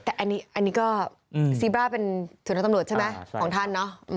แต่อันนี้ก็ซีบร่าเป็นส่วนทางตำรวจใช่ไหมของท่านเนอะ